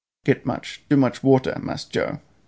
"Get much, too much water, Mass Joe!"